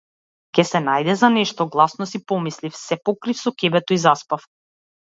Ќе се најде за нешто, гласно си помислив, се покрив со ќебето и заспав.